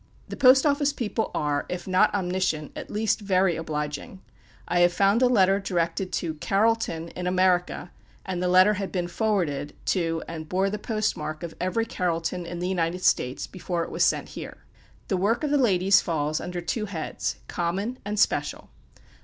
The post office people are, if not omniscient, at least very obliging. I have found a letter directed to "Carrolton, in America," and the letter had been forwarded to, and bore the post mark of every Carrolton in the United States before it was sent here. The work of the ladies falls under two heads: "Common" and "Special."